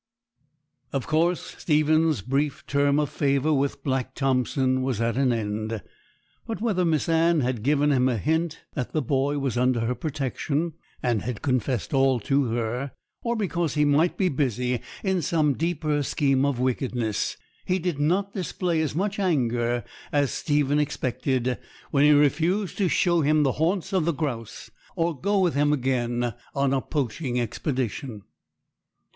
Of course Stephen's brief term of favour with Black Thompson was at an end; but whether Miss Anne had given him a hint that the boy was under her protection, and had confessed all to her, or because he might be busy in some deeper scheme of wickedness, he did not display as much anger as Stephen expected, when he refused to show him the haunts of the grouse, or go with him again on a poaching expedition.